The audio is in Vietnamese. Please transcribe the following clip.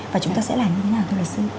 và chúng ta sẽ làm như thế nào thưa luật sư